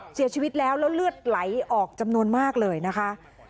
เสียชีวิตแล้วแล้วเลือดไหลออกจำนวนมากเลยนะคะ